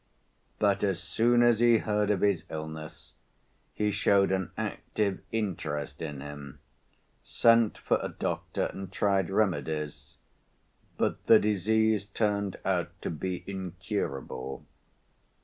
But as soon as he heard of his illness, he showed an active interest in him, sent for a doctor, and tried remedies, but the disease turned out to be incurable.